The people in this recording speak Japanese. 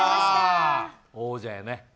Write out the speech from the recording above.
王者やね。